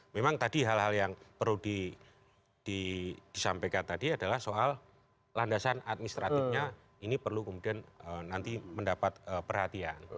memang tadi hal hal yang perlu disampaikan tadi adalah soal landasan administratifnya ini perlu kemudian nanti mendapat perhatian